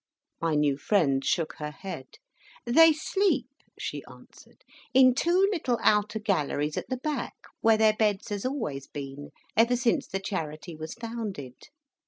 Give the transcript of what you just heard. My new friend shook her head. "They sleep," she answered, "in two little outer galleries at the back, where their beds has always been, ever since the Charity was founded.